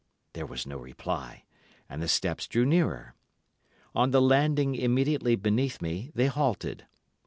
There was no reply, and the steps drew nearer. On the landing immediately beneath me they halted.